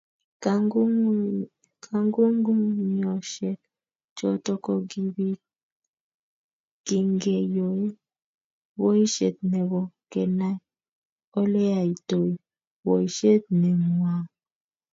kangunyngunyoshek choto kokibiit kingeyoei boishet nebo kenai oleyaitoi boishet nengwai